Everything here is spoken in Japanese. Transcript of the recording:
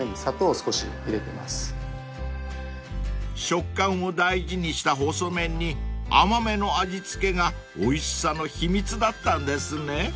［食感を大事にした細麺に甘めの味付けがおいしさの秘密だったんですね］